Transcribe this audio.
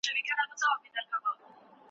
هر میدان یې په مړانه وي گټلی